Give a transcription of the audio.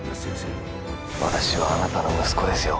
私はあなたの息子ですよ